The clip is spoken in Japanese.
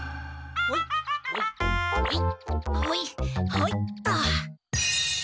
はいっと。